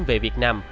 về việt nam